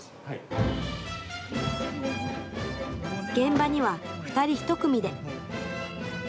現場には２人ひと組で。